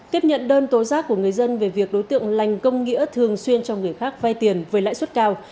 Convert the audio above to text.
tiếp nhận đơn tố giác của người dân về việc đối tượng lành công nghĩa thường xuyên cho người khác vay tiền với lãi suất cao